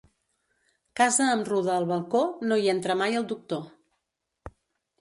Casa amb ruda al balcó, no hi entra mai el doctor.